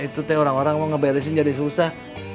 itu teh orang orang mau ngeberesin jadi susah